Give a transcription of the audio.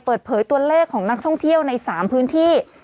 เปิดเผยตัวเลขของนักท่องเที่ยวใน๓พื้นที่